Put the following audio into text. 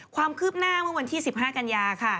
ความคืบหน้าเมื่อวันที่๑๕กันยาค่ะ